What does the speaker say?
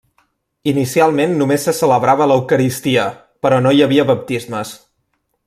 Inicialment només se celebrava l'Eucaristia, però no hi havia baptismes.